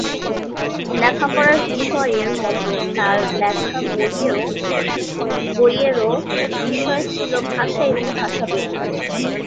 লেখাপড়ার বিষয়ের মতো তাঁর লেখা বইয়েরও বিষয় ছিল ভাষা এবং ভাষাবিজ্ঞান।